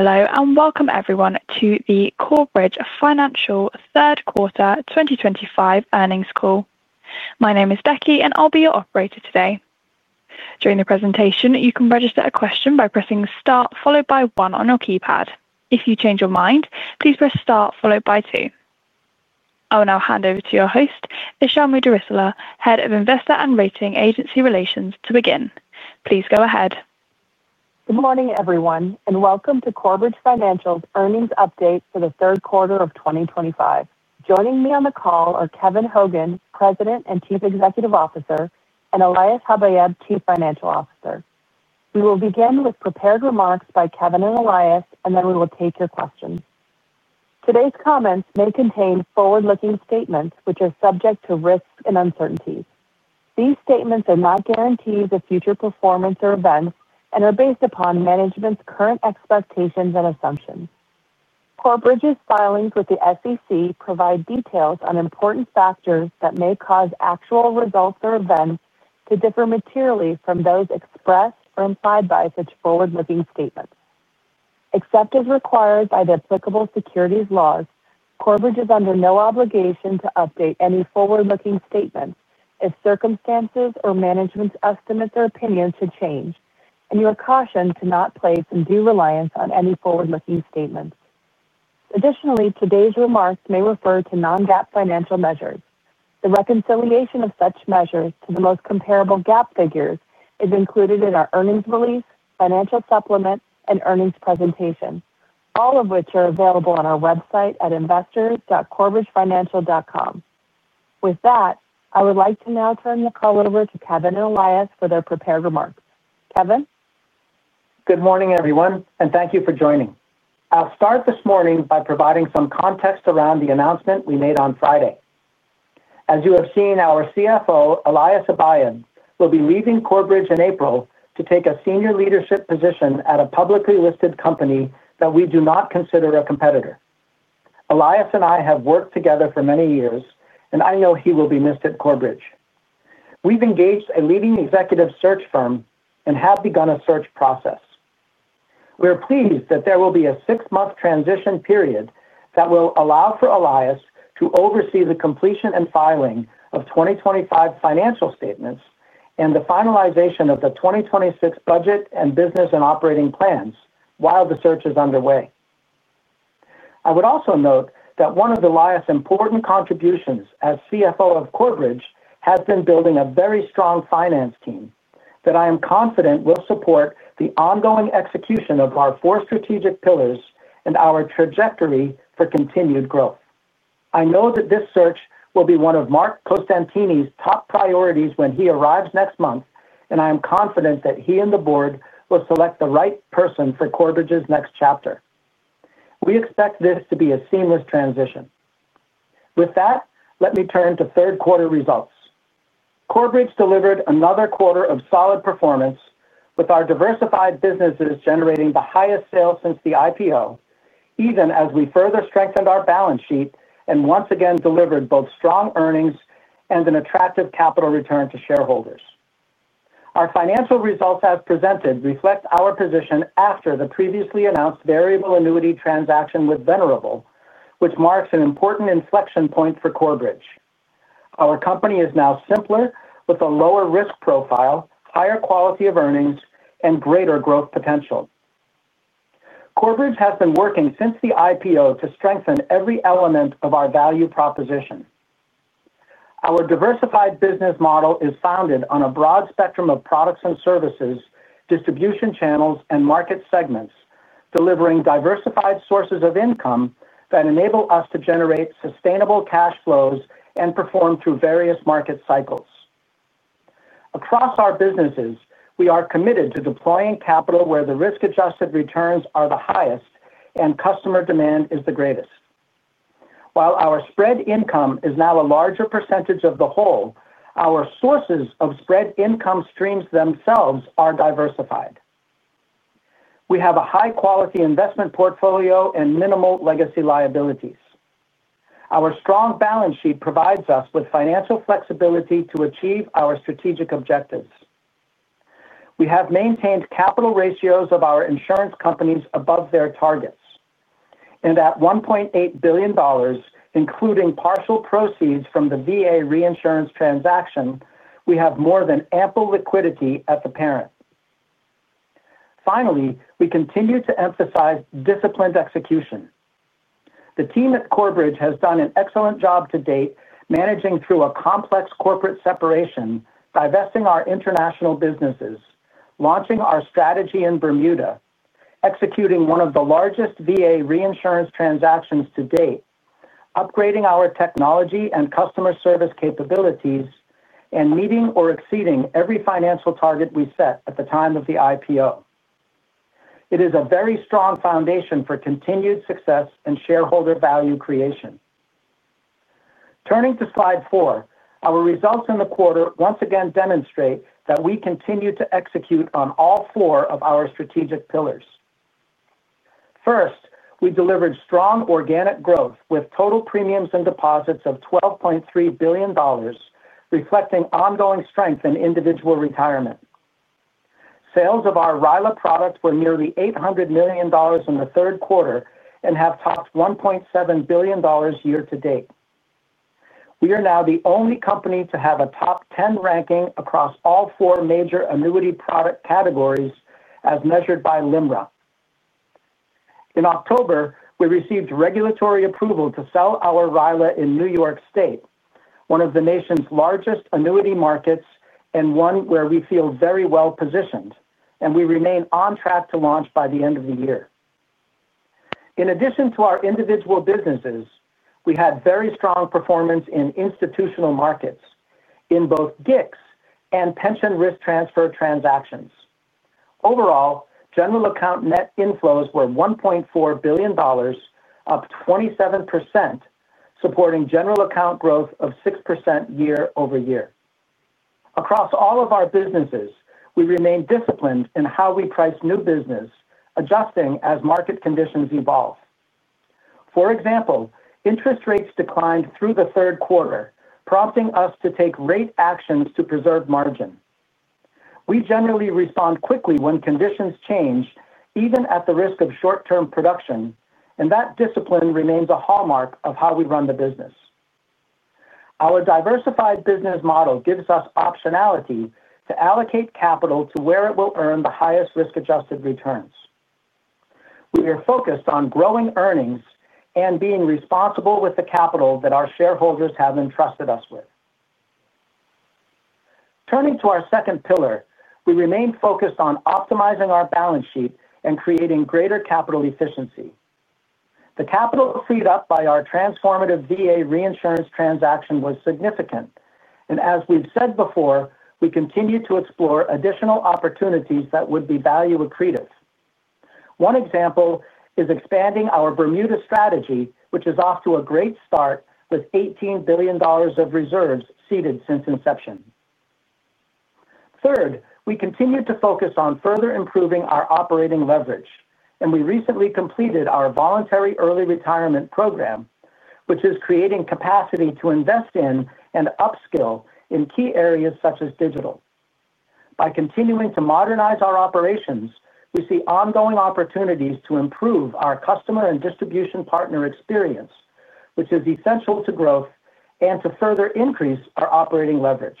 Hello and welcome everyone to the Corebridge Financial third quarter 2025 earnings call. My name is Becky, and I'll be your operator today. During the presentation, you can register a question by pressing star followed by one on your keypad. If you change your mind, please press star followed by two. I will now hand over to your host, Işıl Müderrisoğlu, Head of Investor and Rating Agency Relations, to begin. Please go ahead. Good morning everyone, and welcome to Corebridge Financial's earnings update for the third quarter of 2025. Joining me on the call are Kevin Hogan, President and Chief Executive Officer, and Elias Habayeb, Chief Financial Officer. We will begin with prepared remarks by Kevin and Elias, and then we will take your questions. Today's comments may contain forward-looking statements, which are subject to risks and uncertainties. These statements are not guarantees of future performance or events and are based upon management's current expectations and assumptions. Corebridge's filings with the SEC provide details on important factors that may cause actual results or events to differ materially from those expressed or implied by such forward-looking statements. Except as required by the applicable securities laws, Corebridge is under no obligation to update any forward-looking statements if circumstances or management's estimates or opinions should change, and you are cautioned not to place undue reliance on any forward-looking statements. Additionally, today's remarks may refer to non-GAAP financial measures. The reconciliation of such measures to the most comparable GAAP figures is included in our earnings release, financial supplement, and earnings presentation, all of which are available on our website at investors.corebridgefinancial.com. With that, I would like to now turn the call over to Kevin and Elias for their prepared remarks. Kevin? Good morning everyone, and thank you for joining. I'll start this morning by providing some context around the announcement we made on Friday. As you have seen, our CFO, Elias Habayeb, will be leaving Corebridge in April to take a senior leadership position at a publicly listed company that we do not consider a competitor. Elias and I have worked together for many years, and I know he will be missed at Corebridge. We've engaged a leading executive search firm and have begun a search process. We are pleased that there will be a six-month transition period that will allow for Elias to oversee the completion and filing of 2025 financial statements and the finalization of the 2026 budget and business and operating plans while the search is underway. I would also note that one of Elias's important contributions as CFO of Corebridge has been building a very strong finance team that I am confident will support the ongoing execution of our four strategic pillars and our trajectory for continued growth. I know that this search will be one of Marc Costantini's top priorities when he arrives next month, and I am confident that he and the board will select the right person for Corebridge's next chapter. We expect this to be a seamless transition. With that, let me turn to third quarter results. Corebridge delivered another quarter of solid performance, with our diversified businesses generating the highest sales since the IPO, even as we further strengthened our balance sheet and once again delivered both strong earnings and an attractive capital return to shareholders. Our financial results as presented reflect our position after the previously announced variable annuity transaction with Venerable, which marks an important inflection point for Corebridge. Our company is now simpler, with a lower risk profile, higher quality of earnings, and greater growth potential. Corebridge has been working since the IPO to strengthen every element of our value proposition. Our diversified business model is founded on a broad spectrum of products and services, distribution channels, and market segments, delivering diversified sources of income that enable us to generate sustainable cash flows and perform through various market cycles. Across our businesses, we are committed to deploying capital where the risk-adjusted returns are the highest and customer demand is the greatest. While our spread income is now a larger percentage of the whole, our sources of spread income streams themselves are diversified. We have a high-quality investment portfolio and minimal legacy liabilities. Our strong balance sheet provides us with financial flexibility to achieve our strategic objectives. We have maintained capital ratios of our insurance companies above their targets, and at $1.8 billion, including partial proceeds from the VA reinsurance transaction, we have more than ample liquidity at the parent. Finally, we continue to emphasize disciplined execution. The team at Corebridge has done an excellent job to date managing through a complex corporate separation, divesting our international businesses, launching our strategy in Bermuda, executing one of the largest VA reinsurance transactions to date, upgrading our technology and customer service capabilities, and meeting or exceeding every financial target we set at the time of the IPO. It is a very strong foundation for continued success and shareholder value creation. Turning to slide four, our results in the quarter once again demonstrate that we continue to execute on all four of our strategic pillars. First, we delivered strong organic growth with total premiums and deposits of $12.3 billion. Reflecting ongoing strength in individual retirement. Sales of our RILA product were nearly $800 million in the third quarter and have topped $1.7 billion year to date. We are now the only company to have a top 10 ranking across all four major annuity product categories as measured by LIMRA. In October, we received regulatory approval to sell our RILA in New York State, one of the nation's largest annuity markets and one where we feel very well positioned, and we remain on track to launch by the end of the year. In addition to our individual businesses, we had very strong performance in institutional markets in both GICs and pension risk transfer transactions. Overall, general account net inflows were $1.4 billion. Up 27%. Supporting general account growth of 6% year-over-year. Across all of our businesses, we remain disciplined in how we price new business, adjusting as market conditions evolve. For example, interest rates declined through the third quarter, prompting us to take rate actions to preserve margin. We generally respond quickly when conditions change, even at the risk of short-term production, and that discipline remains a hallmark of how we run the business. Our diversified business model gives us optionality to allocate capital to where it will earn the highest risk-adjusted returns. We are focused on growing earnings and being responsible with the capital that our shareholders have entrusted us with. Turning to our second pillar, we remain focused on optimizing our balance sheet and creating greater capital efficiency. The capital freed up by our transformative VA reinsurance transaction was significant, and as we've said before, we continue to explore additional opportunities that would be value accretive. One example is expanding our Bermuda strategy, which is off to a great start with $18 billion of reserves seeded since inception. Third, we continue to focus on further improving our operating leverage, and we recently completed our voluntary early retirement program, which is creating capacity to invest in and upskill in key areas such as digital. By continuing to modernize our operations, we see ongoing opportunities to improve our customer and distribution partner experience, which is essential to growth and to further increase our operating leverage.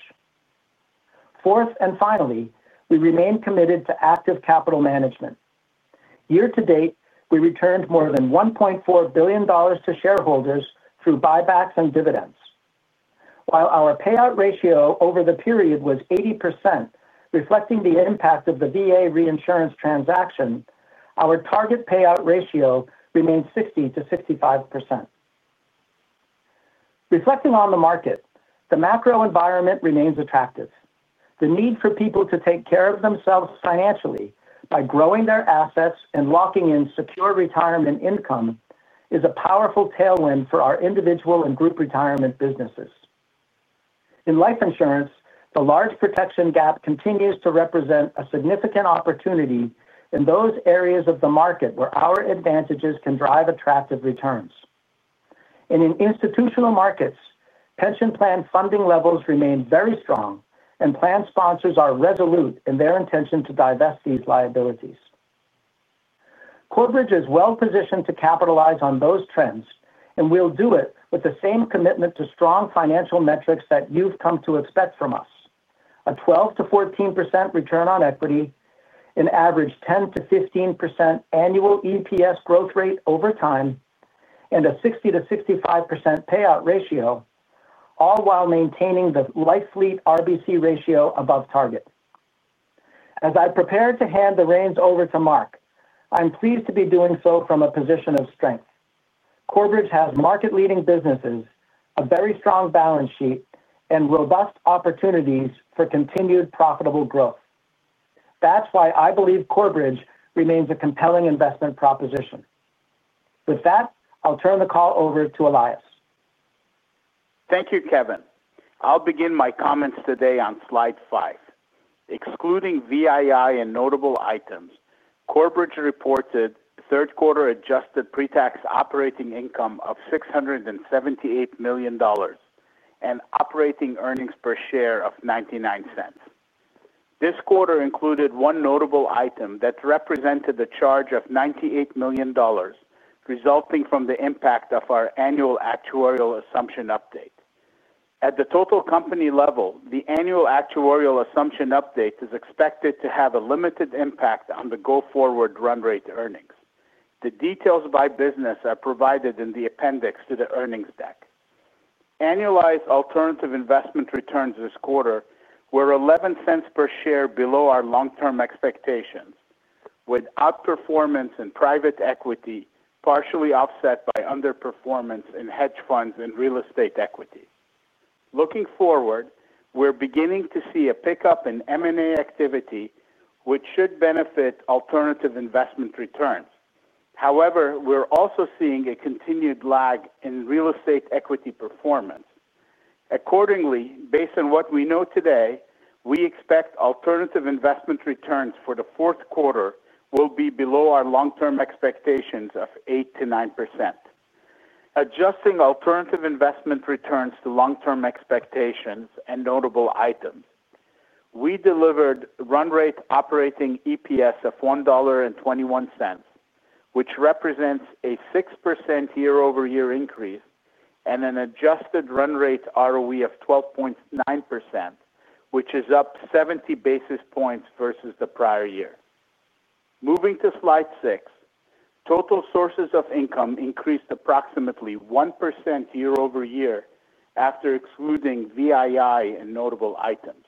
Fourth and finally, we remain committed to active capital management. Year to date, we returned more than $1.4 billion to shareholders through buybacks and dividends. While our payout ratio over the period was 80%, reflecting the impact of the VA reinsurance transaction, our target payout ratio remains 60%-65%. Reflecting on the market, the macro environment remains attractive. The need for people to take care of themselves financially by growing their assets and locking in secure retirement income is a powerful tailwind for our individual and group retirement businesses. In life insurance, the large protection gap continues to represent a significant opportunity in those areas of the market where our advantages can drive attractive returns. In institutional markets, pension plan funding levels remain very strong, and plan sponsors are resolute in their intention to divest these liabilities. Corebridge is well positioned to capitalize on those trends, and we'll do it with the same commitment to strong financial metrics that you've come to expect from us: a 12%-14% return on equity, an average 10%-15% annual EPS growth rate over time, and a 60%-65% payout ratio, all while maintaining the life fleet RBC ratio above target. As I prepare to hand the reins over to Marc, I'm pleased to be doing so from a position of strength. Corebridge has market-leading businesses, a very strong balance sheet, and robust opportunities for continued profitable growth. That's why I believe Corebridge remains a compelling investment proposition. With that, I'll turn the call over to Elias. Thank you, Kevin. I'll begin my comments today on slide five. Excluding VII and notable items, Corebridge reported third quarter adjusted pre-tax operating income of $678 million and operating earnings per share of $0.99. This quarter included one notable item that represented a charge of $98 million, resulting from the impact of our annual actuarial assumption update. At the total company level, the annual actuarial assumption update is expected to have a limited impact on the go-forward run rate earnings. The details by business are provided in the appendix to the earnings deck. Annualized alternative investment returns this quarter were $0.11 per share below our long-term expectations, with outperformance in private equity partially offset by underperformance in hedge funds and real estate equity. Looking forward, we're beginning to see a pickup in M&A activity, which should benefit alternative investment returns. However, we're also seeing a continued lag in real estate equity performance. Accordingly, based on what we know today, we expect alternative investment returns for the fourth quarter will be below our long-term expectations of 8%-9%. Adjusting alternative investment returns to long-term expectations and notable items, we delivered run rate operating EPS of $1.21, which represents a 6% year-over-year increase and an adjusted run rate ROE of 12.9%, which is up 70 basis points versus the prior year. Moving to slide six, total sources of income increased approximately 1% year-over-year after excluding VII and notable items.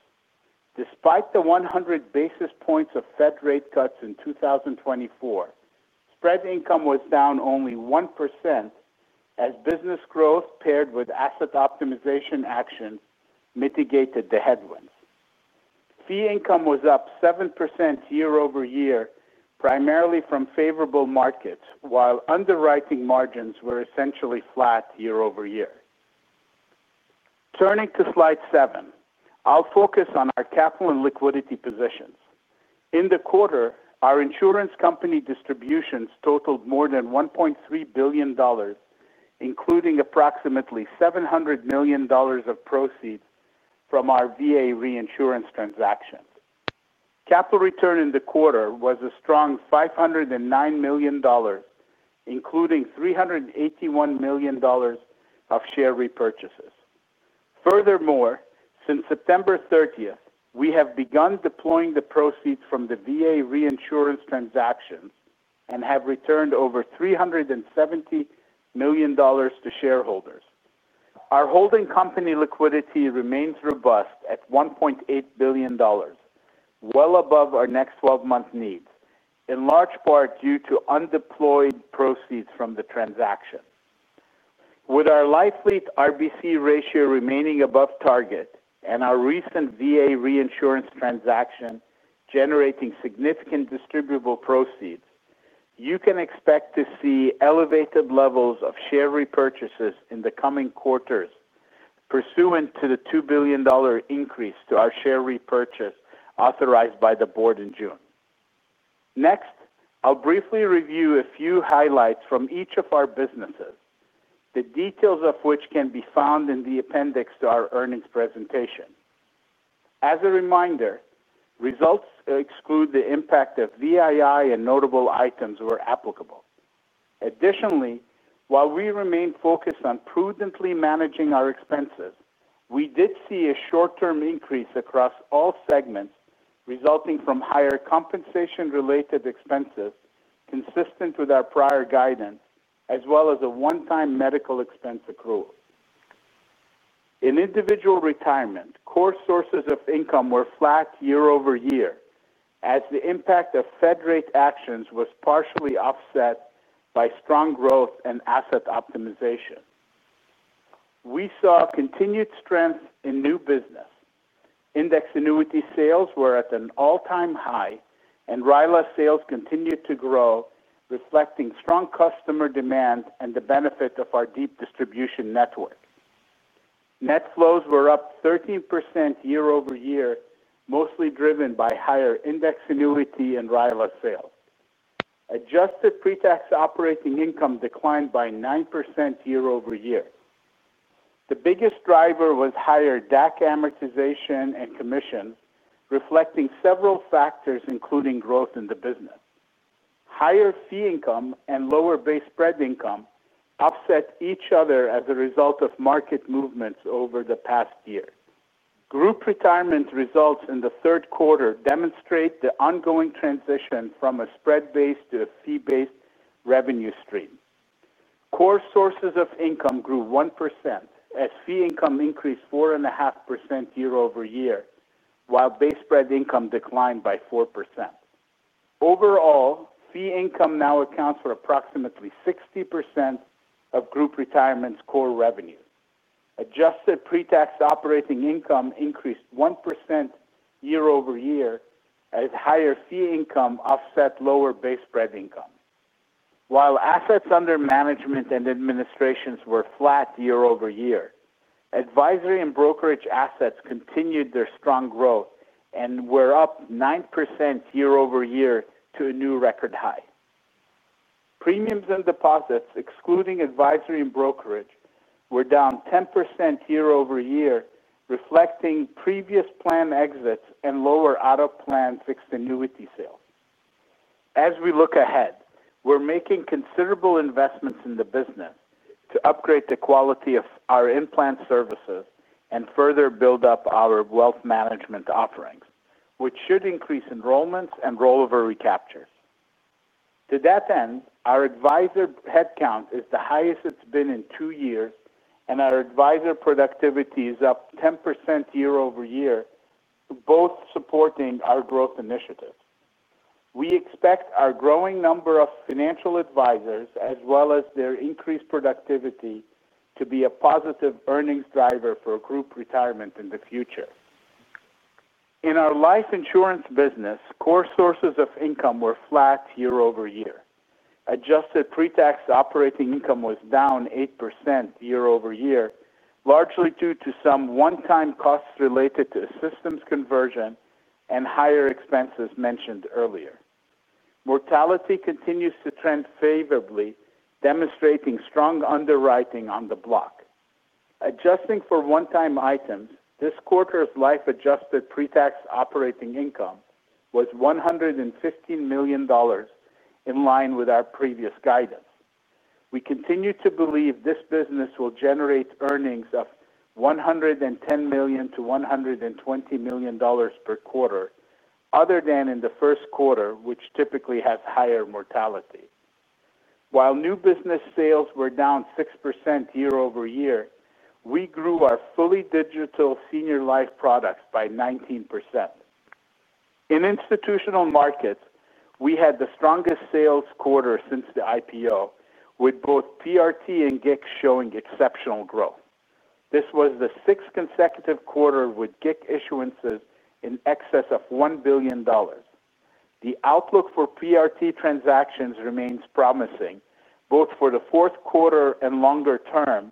Despite the 100 basis points of Fed rate cuts in 2024. Spread income was down only 1%. As business growth paired with asset optimization action mitigated the headwinds. Fee income was up 7% year-over-year, primarily from favorable markets, while underwriting margins were essentially flat year-over-year. Turning to slide seven, I'll focus on our capital and liquidity positions. In the quarter, our insurance company distributions totaled more than $1.3 billion. Including approximately $700 million of proceeds from our VA reinsurance transaction. Capital return in the quarter was a strong $509 million. Including $381 million. Of share repurchases. Furthermore, since September 30th, we have begun deploying the proceeds from the VA reinsurance transactions and have returned over $370 million to shareholders. Our holding company liquidity remains robust at $1.8 billion. Well above our next 12-month needs, in large part due to undeployed proceeds from the transaction. With our life fleet RBC ratio remaining above target and our recent VA reinsurance transaction generating significant distributable proceeds, you can expect to see elevated levels of share repurchases in the coming quarters, pursuant to the $2 billion increase to our share repurchase authorized by the board in June. Next, I'll briefly review a few highlights from each of our businesses, the details of which can be found in the appendix to our earnings presentation. As a reminder, results exclude the impact of VII and notable items where applicable. Additionally, while we remain focused on prudently managing our expenses, we did see a short-term increase across all segments resulting from higher compensation-related expenses consistent with our prior guidance, as well as a one-time medical expense accrual. In individual retirement, core sources of income were flat year-over-year as the impact of Fed rate actions was partially offset by strong growth and asset optimization. We saw continued strength in new business. Index annuity sales were at an all-time high, and RILA sales continued to grow, reflecting strong customer demand and the benefit of our deep distribution network. Net flows were up 13% year-over-year, mostly driven by higher index annuity and RILA sales. Adjusted pre-tax operating income declined by 9% year-over-year. The biggest driver was higher DAC amortization and commission, reflecting several factors including growth in the business. Higher fee income and lower base spread income offset each other as a result of market movements over the past year. Group retirement results in the third quarter demonstrate the ongoing transition from a spread-based to a fee-based revenue stream. Core sources of income grew 1% as fee income increased 4.5% year-over-year, while base spread income declined by 4%. Overall, fee income now accounts for approximately 60% of group retirement's core revenue. Adjusted pre-tax operating income increased 1% year-over-year as higher fee income offset lower base spread income. While assets under management and administrations were flat year-over-year, advisory and brokerage assets continued their strong growth and were up 9% year-over-year to a new record high. Premiums and deposits, excluding advisory and brokerage, were down 10% year-over-year, reflecting previous plan exits and lower out-of-plan fixed annuity sales. As we look ahead, we're making considerable investments in the business to upgrade the quality of our in-plan services and further build up our wealth management offerings, which should increase enrollments and rollover recaptures. To that end, our advisor headcount is the highest it's been in two years, and our advisor productivity is up 10% year-over-year, both supporting our growth initiatives. We expect our growing number of financial advisors, as well as their increased productivity, to be a positive earnings driver for group retirement in the future. In our life insurance business, core sources of income were flat year-over-year. Adjusted pre-tax operating income was down 8% year-over-year, largely due to some one-time costs related to systems conversion and higher expenses mentioned earlier. Mortality continues to trend favorably, demonstrating strong underwriting on the block. Adjusting for one-time items, this quarter's life adjusted pre-tax operating income was $115 million in line with our previous guidance. We continue to believe this business will generate earnings of $110 million-$120 million per quarter, other than in the first quarter, which typically has higher mortality. While new business sales were down 6% year-over-year, we grew our fully digital senior life products by 19%. In institutional markets, we had the strongest sales quarter since the IPO, with both PRT and GIC showing exceptional growth. This was the sixth consecutive quarter with GIC issuances in excess of $1 billion. The outlook for PRT transactions remains promising, both for the fourth quarter and longer term,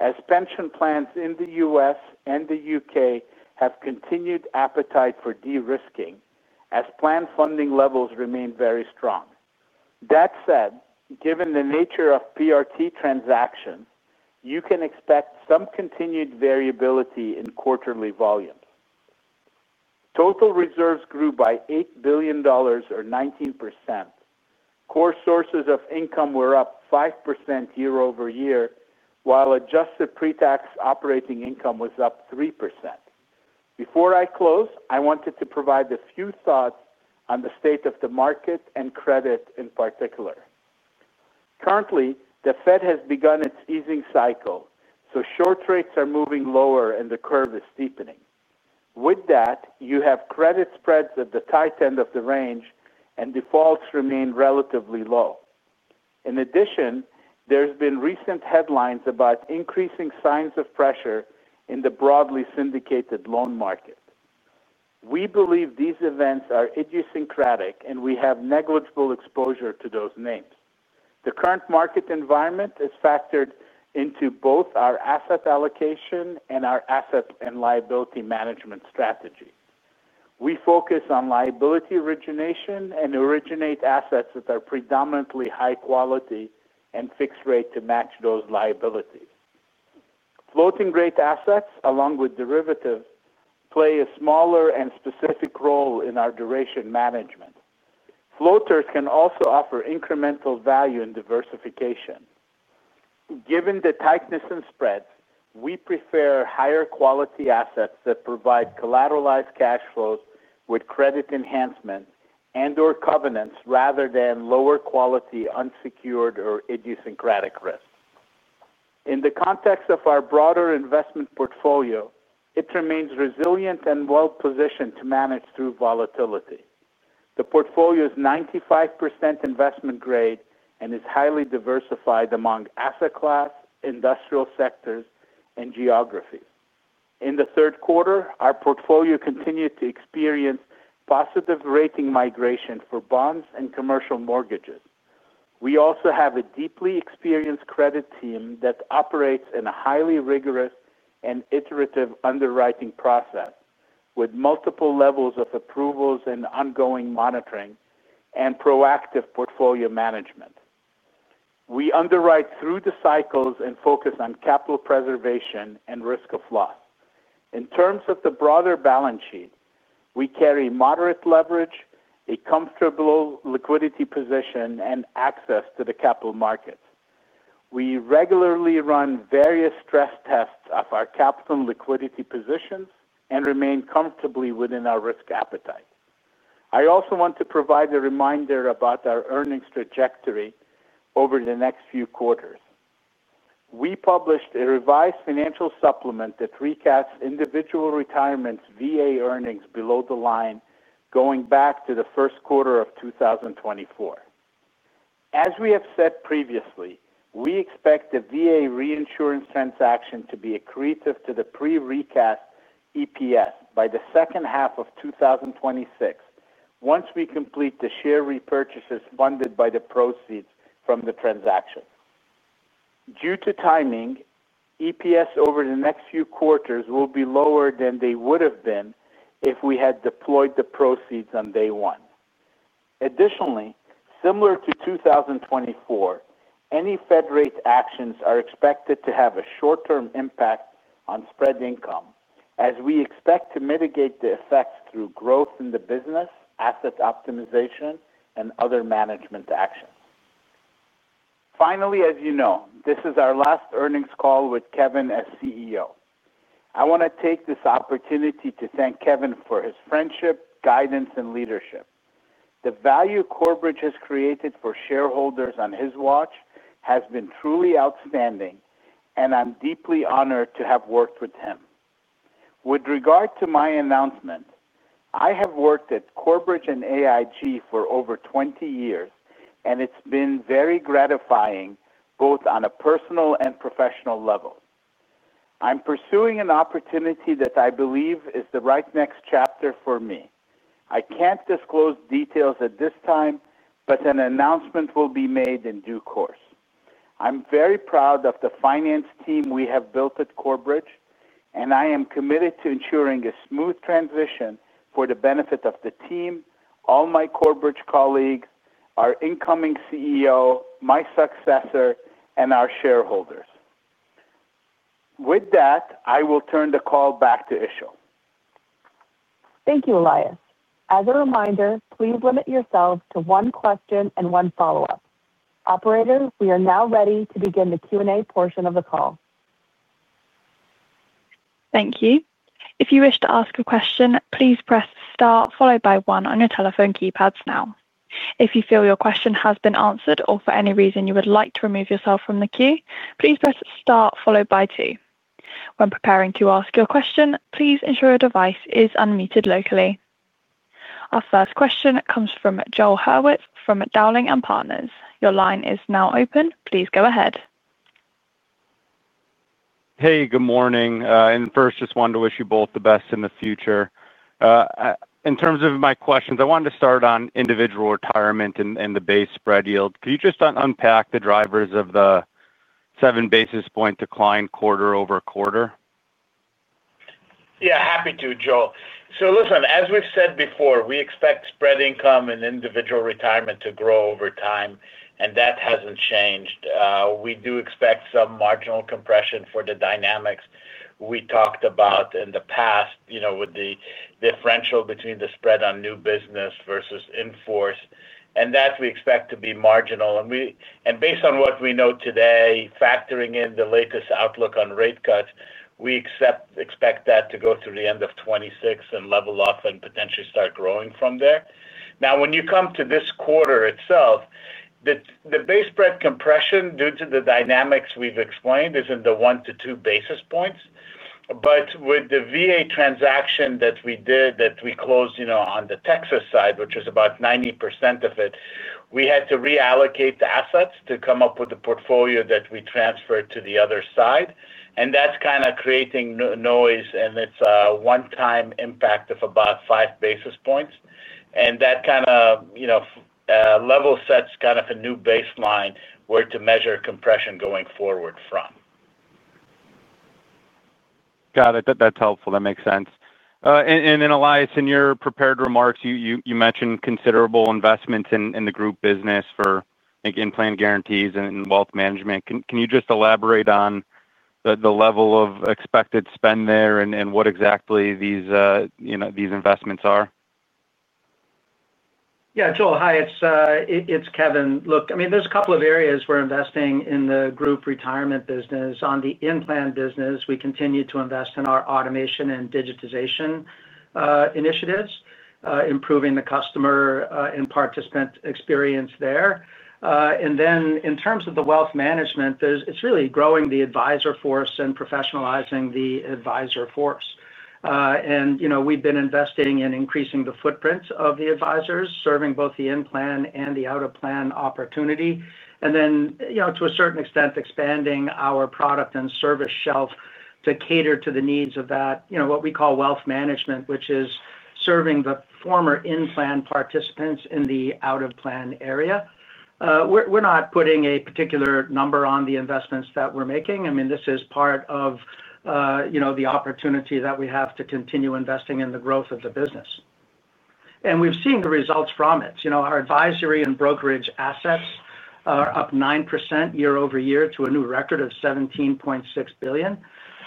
as pension plans in the U.S. and the U.K. have continued appetite for de-risking, as plan funding levels remain very strong. That said, given the nature of PRT transactions, you can expect some continued variability in quarterly volumes. Total reserves grew by $8 billion, or 19%. Core sources of income were up 5% year-over-year, while adjusted pre-tax operating income was up 3%. Before I close, I wanted to provide a few thoughts on the state of the market and credit in particular. Currently, the Fed has begun its easing cycle, so short rates are moving lower and the curve is steepening. With that, you have credit spreads at the tight end of the range, and defaults remain relatively low. In addition, there's been recent headlines about increasing signs of pressure in the broadly syndicated loan market. We believe these events are idiosyncratic, and we have negligible exposure to those names. The current market environment is factored into both our asset allocation and our asset and liability management strategy. We focus on liability origination and originate assets that are predominantly high quality and fixed rate to match those liabilities. Floating rate assets, along with derivatives, play a smaller and specific role in our duration management. Floaters can also offer incremental value and diversification. Given the tightness in spreads, we prefer higher quality assets that provide collateralized cash flows with credit enhancement and/or covenants rather than lower quality unsecured or idiosyncratic risks. In the context of our broader investment portfolio, it remains resilient and well-positioned to manage through volatility. The portfolio is 95% investment grade and is highly diversified among asset class, industrial sectors, and geographies. In the third quarter, our portfolio continued to experience positive rating migration for bonds and commercial mortgages. We also have a deeply experienced credit team that operates in a highly rigorous and iterative underwriting process. With multiple levels of approvals and ongoing monitoring and proactive portfolio management. We underwrite through the cycles and focus on capital preservation and risk of loss. In terms of the broader balance sheet, we carry moderate leverage, a comfortable liquidity position, and access to the capital markets. We regularly run various stress tests of our capital and liquidity positions and remain comfortably within our risk appetite. I also want to provide a reminder about our earnings trajectory over the next few quarters. We published a revised financial supplement that recaps Individual Retirement's VA earnings below the line going back to the first quarter of 2024. As we have said previously, we expect the VA reinsurance transaction to be accretive to the pre-recast EPS by the second half of 2026, once we complete the share repurchases funded by the proceeds from the transaction. Due to timing, EPS over the next few quarters will be lower than they would have been if we had deployed the proceeds on day one. Additionally, similar to 2024, any Fed rate actions are expected to have a short-term impact on spread income, as we expect to mitigate the effects through growth in the business, asset optimization, and other management actions. Finally, as you know, this is our last earnings call with Kevin as CEO. I want to take this opportunity to thank Kevin for his friendship, guidance, and leadership. The value Corebridge has created for shareholders on his watch has been truly outstanding, and I'm deeply honored to have worked with him. With regard to my announcement, I have worked at Corebridge and AIG for over 20 years, and it's been very gratifying both on a personal and professional level. I'm pursuing an opportunity that I believe is the right next chapter for me. I can't disclose details at this time, but an announcement will be made in due course. I'm very proud of the finance team we have built at Corebridge, and I am committed to ensuring a smooth transition for the benefit of the team, all my Corebridge colleagues, our incoming CEO, my successor, and our shareholders. With that, I will turn the call back to Işıl. Thank you, Elias. As a reminder, please limit yourself to one question and one follow-up. Operator, we are now ready to begin the Q&A portion of the call. Thank you. If you wish to ask a question, please press star followed by one on your telephone keypads now. If you feel your question has been answered or for any reason you would like to remove yourself from the queue, please press star followed by two. When preparing to ask your question, please ensure your device is unmuted locally. Our first question comes from Joel Hurwitz from Dowling & Partners. Your line is now open. Please go ahead. Hey, good morning. And first, just wanted to wish you both the best in the future. In terms of my questions, I wanted to start on individual retirement and the base spread yield. Could you just unpack the drivers of the seven basis point decline quarter-over-quarter? Yeah, happy to, Joel. So listen, as we've said before, we expect spread income and individual retirement to grow over time, and that hasn't changed. We do expect some marginal compression for the dynamics we talked about in the past, you know, with the differential between the spread on new business versus inforce. And that we expect to be marginal. And based on what we know today, factoring in the latest outlook on rate cuts, we expect that to go through the end of 2026 and level off and potentially start growing from there. Now, when you come to this quarter itself. The base spread compression, due to the dynamics we've explained, is in the one to two basis points. But with the VA transaction that we did, that we closed on the Texas side, which was about 90% of it, we had to reallocate the assets to come up with the portfolio that we transferred to the other side. And that's kind of creating noise, and it's a one-time impact of about five basis points. And that kind of level sets kind of a new baseline where to measure compression going forward from. Got it. That's helpful. That makes sense. And then, Elias, in your prepared remarks, you mentioned considerable investments in the group business for, I think, in-plan guarantees and wealth management. Can you just elaborate on the level of expected spend there and what exactly these investments are? Yeah, Joel, hi. It's Kevin. Look, I mean, there's a couple of areas we're investing in the group retirement business. On the in-plan business, we continue to invest in our automation and digitization initiatives, improving the customer and participant experience there. And then, in terms of the wealth management, it's really growing the advisor force and professionalizing the advisor force. And we've been investing in increasing the footprint of the advisors, serving both the in-plan and the out-of-plan opportunity, and then, to a certain extent, expanding our product and service shelf to cater to the needs of that, what we call wealth management, which is serving the former in-plan participants in the out-of-plan area. We're not putting a particular number on the investments that we're making. I mean, this is part of the opportunity that we have to continue investing in the growth of the business. And we've seen the results from it. Our advisory and brokerage assets are up 9% year-over-year to a new record of $17.6 billion.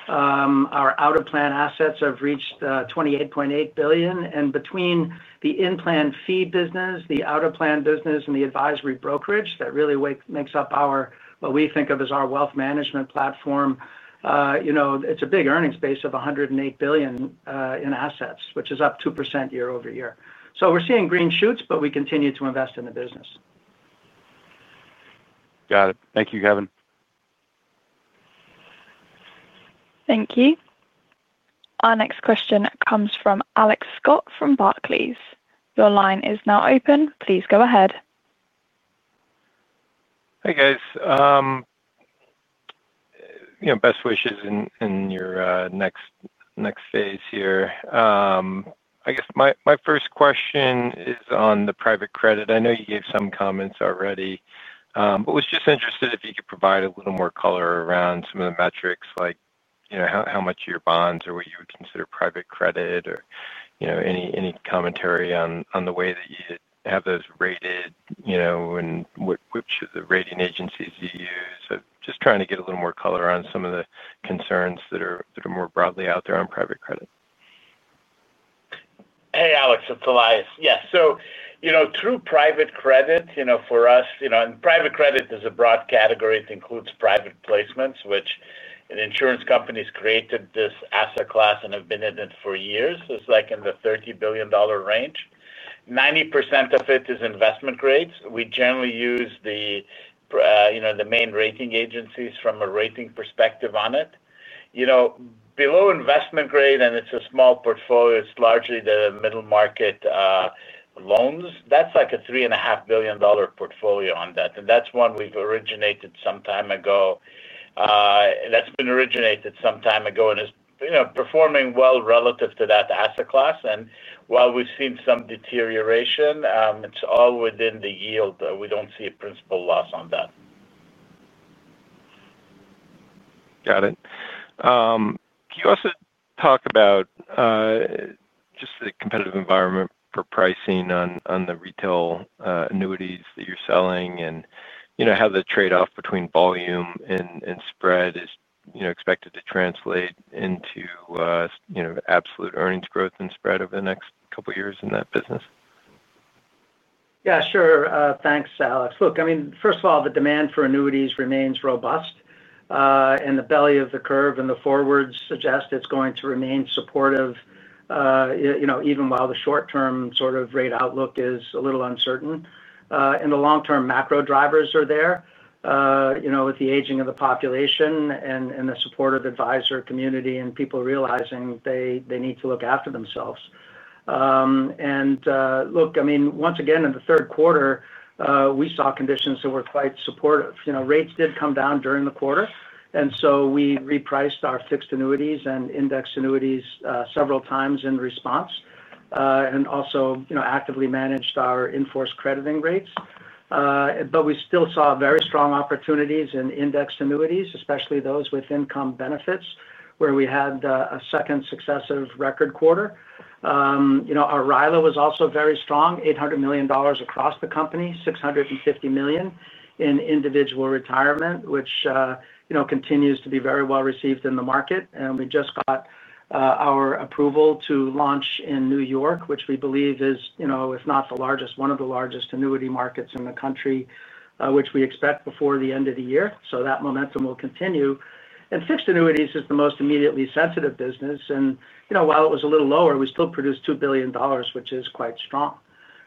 Our out-of-plan assets have reached $28.8 billion. And between the in-plan fee business, the out-of-plan business, and the advisory brokerage, that really makes up what we think of as our wealth management platform. It's a big earnings base of $108 billion in assets, which is up 2% year-over-year. So we're seeing green shoots, but we continue to invest in the business. Got it. Thank you, Kevin. Thank you. Our next question comes from Alex Scott from Barclays. Your line is now open. Please go ahead. Hey, guys. Best wishes in your next phase here. I guess my first question is on the private credit. I know you gave some comments already, but was just interested if you could provide a little more color around some of the metrics, like how much of your bonds or what you would consider private credit, or any commentary on the way that you have those rated. And which of the rating agencies you use. Just trying to get a little more color on some of the concerns that are more broadly out there on private credit. Hey, Alex, it's Elias. Yes. So through private credit for us, and private credit is a broad category. It includes private placements, which an insurance company has created this asset class and have been in it for years. It's like in the $30 billion range. 90% of it is investment grades. We generally use the main rating agencies from a rating perspective on it. Below investment grade, and it's a small portfolio, it's largely the middle market loans. That's like a $3.5 billion portfolio on that. And that's one we've originated some time ago. That's been originated some time ago and is performing well relative to that asset class. And while we've seen some deterioration, it's all within the yield. We don't see a principal loss on that. Got it. Can you also talk about just the competitive environment for pricing on the retail annuities that you're selling and how the trade-off between volume and spread is expected to translate into absolute earnings growth and spread over the next couple of years in that business? Yeah, sure. Thanks, Alex. Look, I mean, first of all, the demand for annuities remains robust. And the belly of the curve and the forwards suggest it's going to remain supportive. Even while the short-term sort of rate outlook is a little uncertain. And the long-term macro drivers are there. With the aging of the population and the support of the advisor community and people realizing they need to look after themselves. And look, I mean, once again, in the third quarter, we saw conditions that were quite supportive. Rates did come down during the quarter, and so we repriced our fixed annuities and indexed annuities several times in response. And also actively managed our enforced crediting rates. But we still saw very strong opportunities in indexed annuities, especially those with income benefits, where we had a second successive record quarter. Our RILA was also very strong, $800 million across the company, $650 million in individual retirement, which continues to be very well received in the market. And we just got our approval to launch in New York, which we believe is, if not the largest, one of the largest annuity markets in the country, which we expect before the end of the year. So that momentum will continue. And fixed annuities is the most immediately sensitive business. And while it was a little lower, we still produced $2 billion, which is quite strong.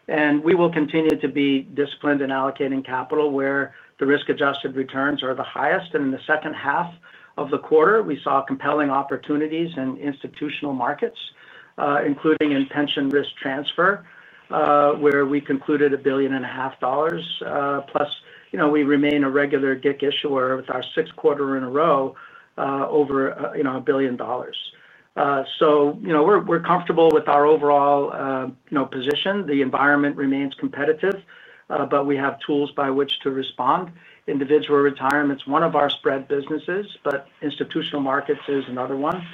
And we will continue to be disciplined in allocating capital where the risk-adjusted returns are the highest. And in the second half of the quarter, we saw compelling opportunities in institutional markets, including in pension risk transfer, where we concluded $1.5 billion. Plus, we remain a regular GIC issuer with our sixth quarter in a row over $1 billion. So we're comfortable with our overall position. The environment remains competitive, but we have tools by which to respond. Individual retirement is one of our spread businesses, but institutional markets is another one.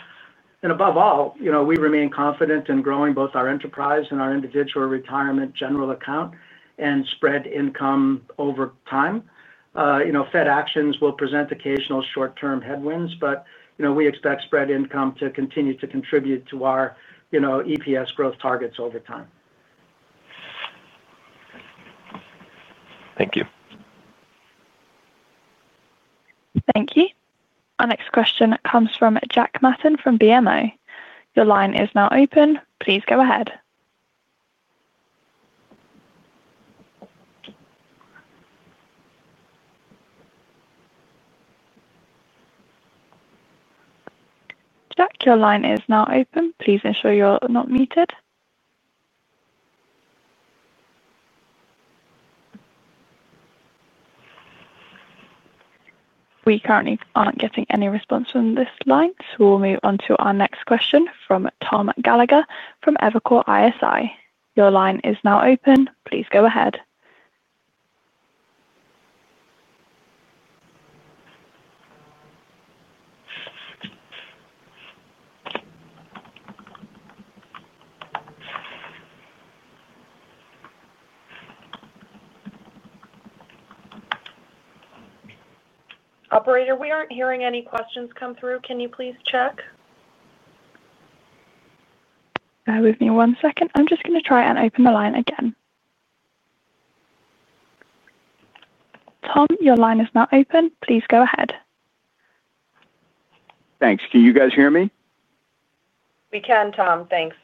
And above all, we remain confident in growing both our enterprise and our individual retirement general account and spread income over time. Fed actions will present occasional short-term headwinds, but we expect spread income to continue to contribute to our EPS growth targets over time. Thank you. Thank you. Our next question comes from Jack Matton from BMO. Your line is now open. Please go ahead. Jack, your line is now open. Please ensure you're not muted. We currently aren't getting any response from this line, so we'll move on to our next question from Tom Gallagher from Evercore ISI. Your line is now open. Please go ahead. Operator, we aren't hearing any questions come through. Can you please check? Bear with me one second. I'm just going to try and open the line again. Tom, your line is now open. Please go ahead. Thanks. Can you guys hear me? We can, Tom. Thanks.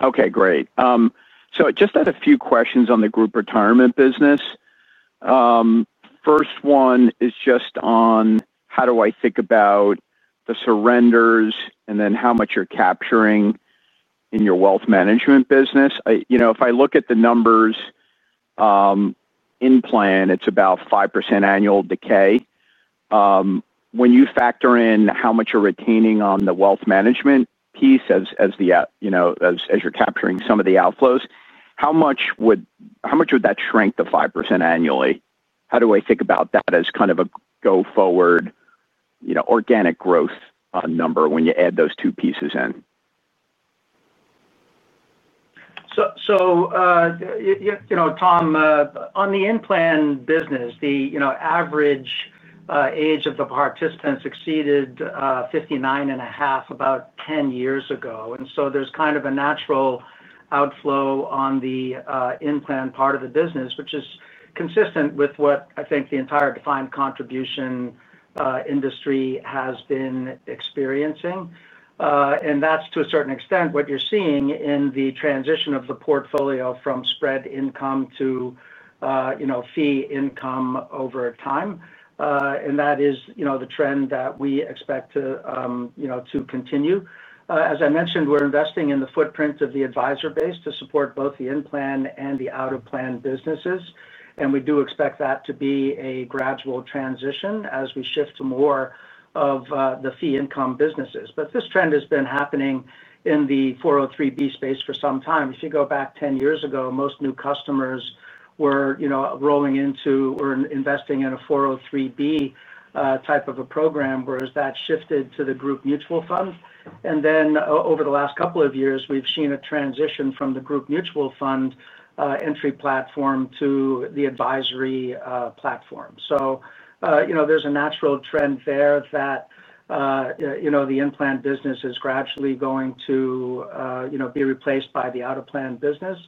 Okay, great. So just had a few questions on the group retirement business. First one is just on how do I think about the surrenders and then how much you're capturing in your wealth management business. If I look at the numbers in plan, it's about 5% annual decay. When you factor in how much you're retaining on the wealth management piece as you're capturing some of the outflows, how much would that shrink the 5% annually? How do I think about that as kind of a go-forward organic growth number when you add those two pieces in? So. Tom, on the in-plan business, the average age of the participants exceeded 59.5 about 10 years ago. And so there's kind of a natural. Outflow on the in-plan part of the business, which is consistent with what I think the entire defined contribution industry has been experiencing. And that's to a certain extent what you're seeing in the transition of the portfolio from spread income to fee income over time. And that is the trend that we expect to continue. As I mentioned, we're investing in the footprint of the advisor base to support both the in-plan and the out-of-plan businesses. And we do expect that to be a gradual transition as we shift to more of the fee income businesses. But this trend has been happening in the 403(b) space for some time. If you go back 10 years ago, most new customers were rolling into or investing in a 403(b) type of a program, whereas that shifted to the group mutual fund. And then over the last couple of years, we've seen a transition from the group mutual fund entry platform to the advisory platform. So there's a natural trend there that the in-plan business is gradually going to be replaced by the out-of-plan business.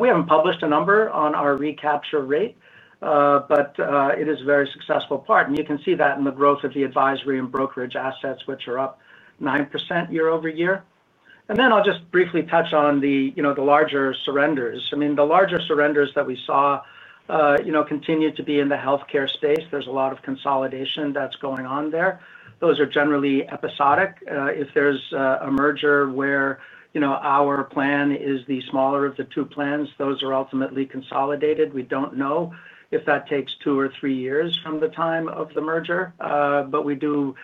We haven't published a number on our recapture rate, but it is a very successful part. And you can see that in the growth of the advisory and brokerage assets, which are up 9% year-over-year. And then I'll just briefly touch on the larger surrenders. I mean, the larger surrenders that we saw continue to be in the healthcare space. There's a lot of consolidation that's going on there. Those are generally episodic. If there's a merger where our plan is the smaller of the two plans, those are ultimately consolidated. We don't know if that takes two or three years from the time of the merger, but we do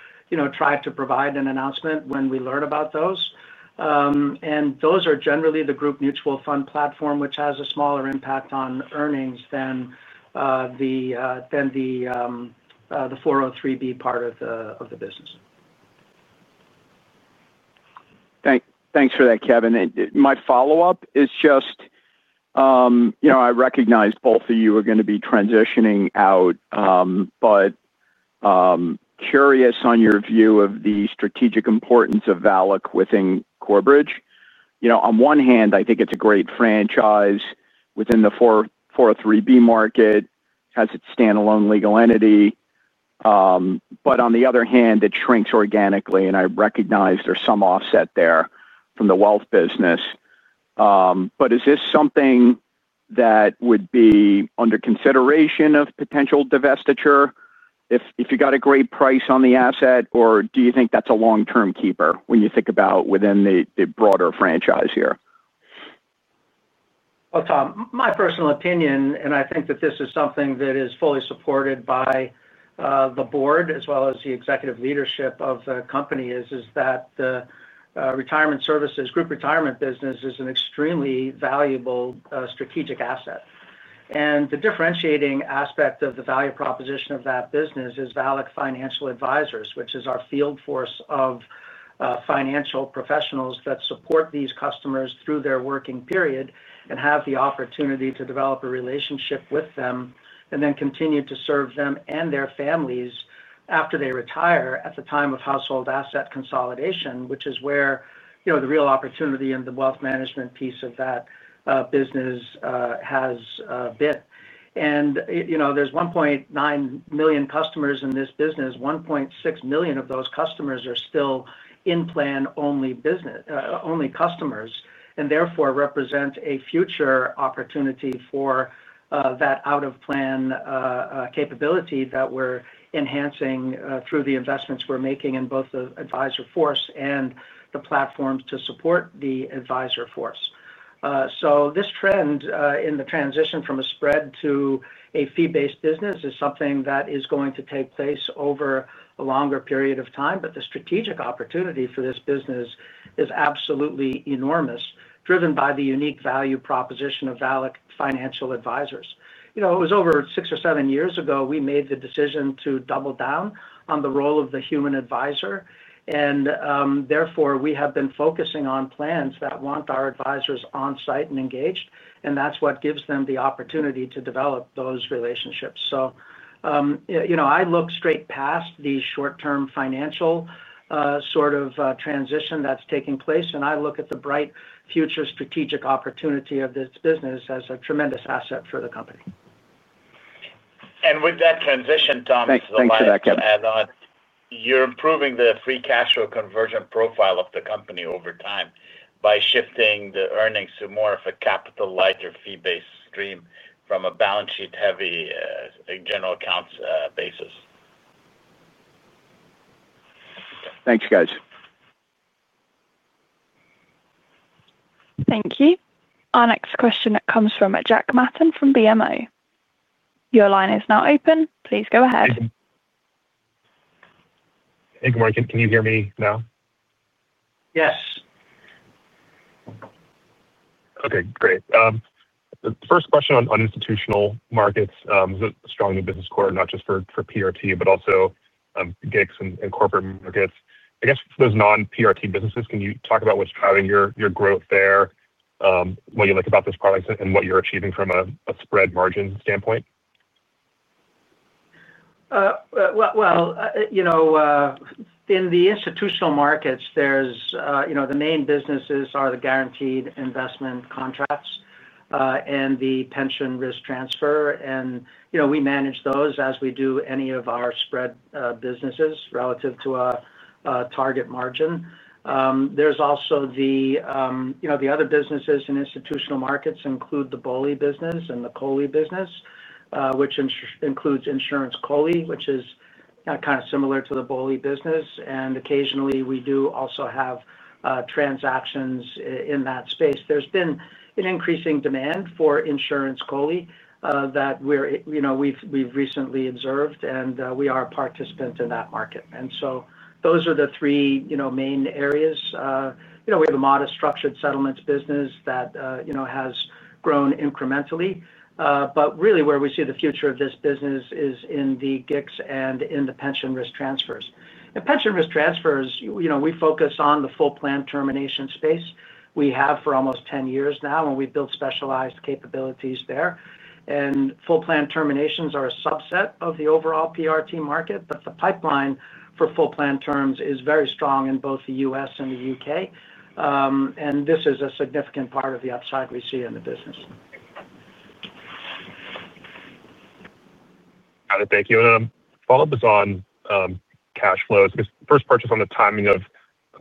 try to provide an announcement when we learn about those. And those are generally the group mutual fund platform, which has a smaller impact on earnings than the 403(b) part of the business. Thanks for that, Kevin. My follow-up is just I recognize both of you are going to be transitioning out. But curious on your view of the strategic importance of VALIC within Corebridge. On one hand, I think it's a great franchise within the 403(b) market, has its standalone legal entity. But on the other hand, it shrinks organically. And I recognize there's some offset there from the wealth business. But is this something that would be under consideration of potential divestiture if you got a great price on the asset, or do you think that's a long-term keeper when you think about within the broader franchise here? Well, Tom, my personal opinion, and I think that this is something that is fully supported by the board as well as the executive leadership of the company, is that the group retirement business is an extremely valuable strategic asset. And the differentiating aspect of the value proposition of that business is VALIC Financial Advisors, which is our field force of. Financial professionals that support these customers through their working period and have the opportunity to develop a relationship with them and then continue to serve them and their families after they retire at the time of household asset consolidation, which is where the real opportunity and the wealth management piece of that business has been, and there's 1.9 million customers in this business. 1.6 million of those customers are still in-plan only customers and therefore represent a future opportunity for that out-of-plan capability that we're enhancing through the investments we're making in both the advisor force and the platforms to support the advisor force. So this trend in the transition from a spread to a fee-based business is something that is going to take place over a longer period of time. But the strategic opportunity for this business is absolutely enormous, driven by the unique value proposition of VALIC Financial Advisors. It was over six or seven years ago we made the decision to double down on the role of the human advisor. And therefore, we have been focusing on plans that want our advisors on-site and engaged. And that's what gives them the opportunity to develop those relationships. So I look straight past the short-term financial sort of transition that's taking place. And I look at the bright future strategic opportunity of this business as a tremendous asset for the company. And with that transition, Tom, just to add on. Thanks for that, Kevin. You're improving the free cash flow conversion profile of the company over time by shifting the earnings to more of a capital lighter fee-based stream from a balance sheet-heavy general accounts basis. Thanks, guys. Thank you. Our next question, it comes from Jack Matton from BMO. Your line is now open. Please go ahead. Hey, morning, can you hear me now? Yes. Okay, great. First question on institutional markets. Strong in the business core, not just for PRT, but also GICs and corporate markets. I guess for those non-PRT businesses, can you talk about what's driving your growth there, what you like about those products, and what you're achieving from a spread margin standpoint? Well. In the institutional markets, the main businesses are the guaranteed investment contracts and the pension risk transfer. And we manage those as we do any of our spread businesses relative to a target margin. There's also the other businesses in institutional markets include the BOLI business and the COLI business. Which includes insurance COLI, which is kind of similar to the BOLI business. And occasionally, we do also have transactions in that space. There's been an increasing demand for insurance COLI that we've recently observed, and we are a participant in that market. And so those are the three main areas. We have a modest structured settlements business that has grown incrementally. But really, where we see the future of this business is in the GICs and in the pension risk transfers. In pension risk transfers, we focus on the full plan termination space. We have for almost 10 years now, and we've built specialized capabilities there. And full plan terminations are a subset of the overall PRT market, but the pipeline for full plan terms is very strong in both the U.S. and the U.K. And this is a significant part of the upside we see in the business. Got it. Thank you. And a follow-up is on cash flows. First question on the timing of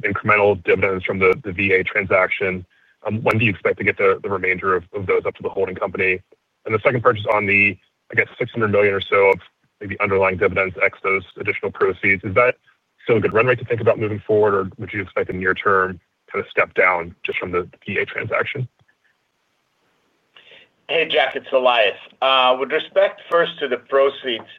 incremental dividends from the VA transaction. When do you expect to get the remainder of those up to the holding company? And the second question on the, I guess, $600 million or so of maybe underlying dividends ex those additional proceeds. Is that still a good run rate to think about moving forward, or would you expect a near-term kind of step down just from the VA transaction? Hey, Jack, it's Elias. With respect first to the proceeds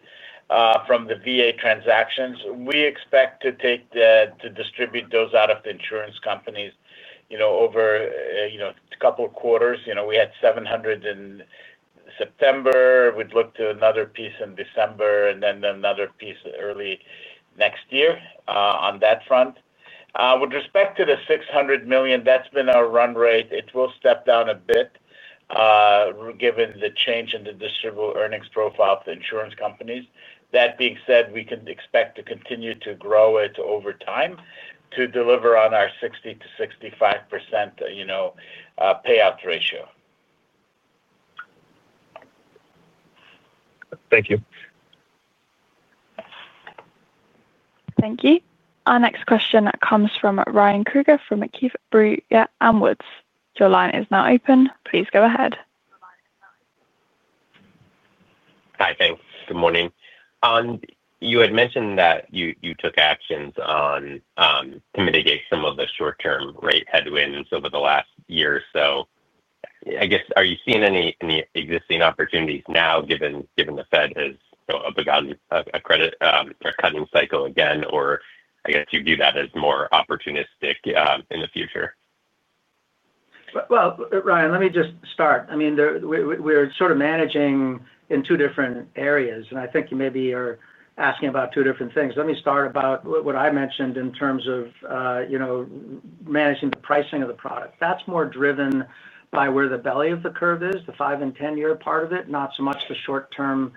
from the VA transactions, we expect to distribute those out of the insurance companies over a couple of quarters. We had $700 million in September. We'd look to another piece in December and then another piece early next year on that front. With respect to the $600 million, that's been our run rate. It will step down a bit given the change in the distributable earnings profile of the insurance companies. That being said, we can expect to continue to grow it over time to deliver on our 60%-65% payout ratio. Thank you. Thank you. Our next question comes from Ryan Krueger from Keefe, Bruyette & Woods. Your line is now open. Please go ahead. Hi, thanks. Good morning. You had mentioned that you took actions to mitigate some of the short-term rate headwinds over the last year or so. I guess, are you seeing any existing opportunities now, given the Fed has begun a cutting cycle again, or I guess you view that as more opportunistic in the future? Well, Ryan, let me just start. I mean, we're sort of managing in two different areas. And I think you maybe are asking about two different things. Let me start about what I mentioned in terms of managing the pricing of the product. That's more driven by where the belly of the curve is, the 5 and 10-year part of it, not so much the short-term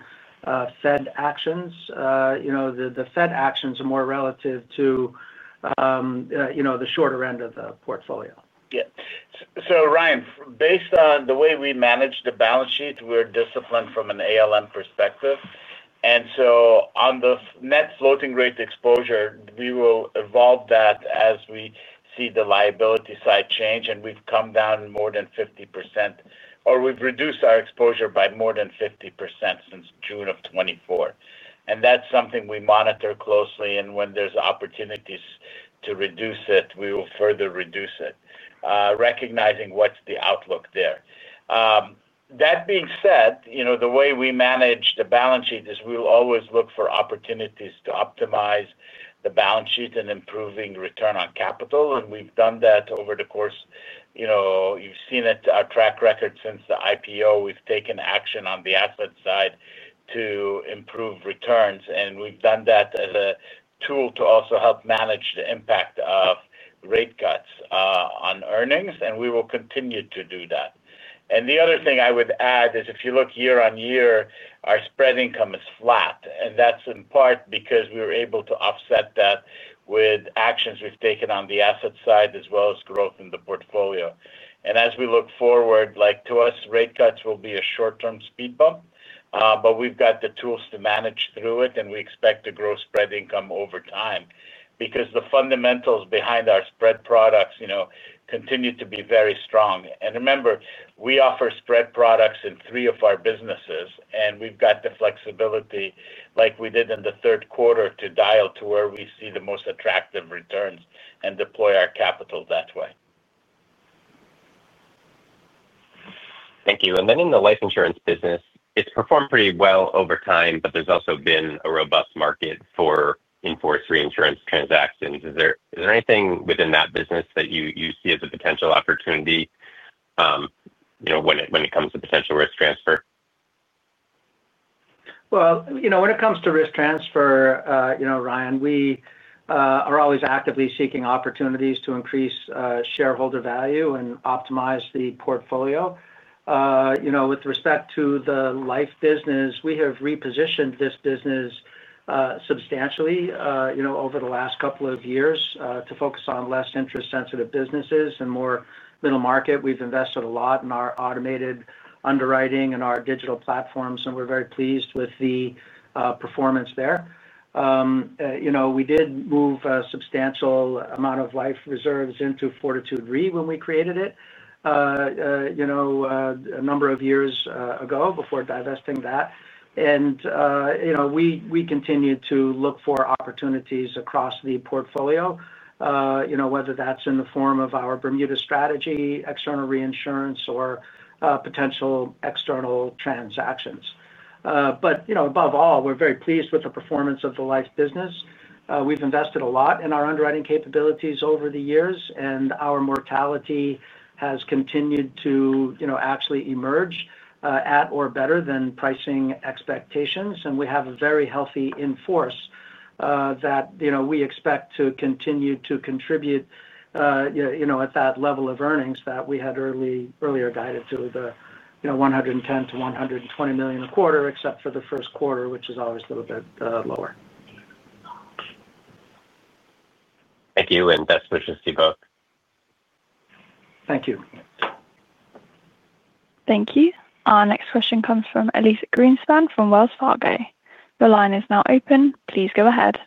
Fed actions. The Fed actions are more relative to the shorter end of the portfolio. Yeah. So, Ryan, based on the way we manage the balance sheet, we're disciplined from an ALM perspective. And so on the net floating rate exposure, we will evolve that as we see the liability side change. And we've come down more than 50%, or we've reduced our exposure by more than 50% since June of 2024. And that's something we monitor closely. And when there's opportunities to reduce it, we will further reduce it. Recognizing what's the outlook there. That being said, the way we manage the balance sheet is we'll always look for opportunities to optimize the balance sheet and improving return on capital. And we've done that over the course. You've seen it, our track record since the IPO, we've taken action on the asset side to improve returns. And we've done that as a tool to also help manage the impact of rate cuts on earnings. And we will continue to do that. And the other thing I would add is if you look year on year, our spread income is flat. And that's in part because we were able to offset that with actions we've taken on the asset side as well as growth in the portfolio. And as we look forward, to us, rate cuts will be a short-term speed bump. But we've got the tools to manage through it. And we expect to grow spread income over time because the fundamentals behind our spread products continue to be very strong. And remember, we offer spread products in three of our businesses. And we've got the flexibility like we did in the third quarter to dial to where we see the most attractive returns and deploy our capital that way. Thank you. And then in the life insurance business, it's performed pretty well over time, but there's also been a robust market for in-force reinsurance transactions. Is there anything within that business that you see as a potential opportunity. When it comes to potential risk transfer? Well, when it comes to risk transfer, Ryan, we are always actively seeking opportunities to increase shareholder value and optimize the portfolio. With respect to the life business, we have repositioned this business. Substantially over the last couple of years to focus on less interest-sensitive businesses and more middle market. We've invested a lot in our automated underwriting and our digital platforms. And we're very pleased with the performance there. We did move a substantial amount of life reserves into Fortitude Re when we created it. A number of years ago before divesting that. And we continue to look for opportunities across the portfolio. Whether that's in the form of our Bermuda strategy, external reinsurance, or potential external transactions. But above all, we're very pleased with the performance of the life business. We've invested a lot in our underwriting capabilities over the years. And our mortality has continued to actually emerge at or better than pricing expectations. And we have a very healthy in-force that we expect to continue to contribute. At that level of earnings that we had earlier guided to the $110 million-$120 million a quarter, except for the first quarter, which is always a little bit lower. Thank you. And best wishes to you both. Thank you. Thank you. Our next question comes from Elyse Greenspan from Wells Fargo. Your line is now open. Please go ahead.